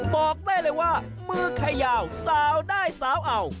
บอกได้เลยว่ามือใครยาวสาวได้สาวเอา